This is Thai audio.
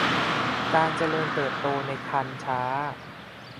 การเจริญเติบโตในครรภ์ช้า